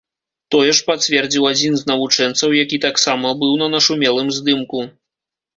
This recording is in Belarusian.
Тое ж пацвердзіў адзін з навучэнцаў, які таксама быў на нашумелым здымку.